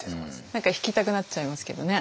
何か弾きたくなっちゃいますけどね。